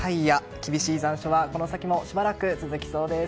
厳しい残暑はこの先もしばらく続きそうです。